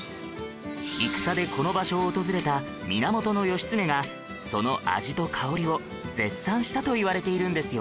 戦でこの場所を訪れた源義経がその味と香りを絶賛したといわれているんですよ